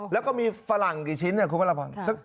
แล้วก็มีฝรั่งกี่ชิ้นคุณพระราพร